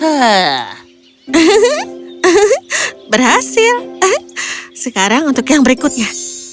hahaha berhasil sekarang untuk yang berikutnya